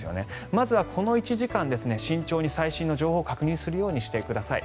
まずはこの１時間慎重に最新の情報を確認するようにしてください。